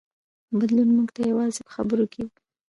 بدلون موږ ته یوازې په خبرو کې دی.